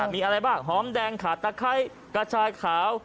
มีอะไรบ้างหอมแดงขาดตะไคร้กระชายขาว